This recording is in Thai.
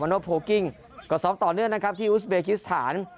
โนโพลกิ้งก็ซ้อมต่อเนื่องนะครับที่อุสเบกิสถาน